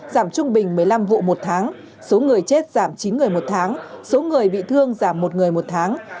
giảm trung bình một mươi năm vụ một tháng số người chết giảm chín người một tháng số người bị thương giảm một người một tháng